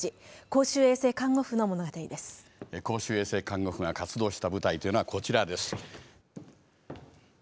公衆衛生看護婦が活動した舞台はこちらです。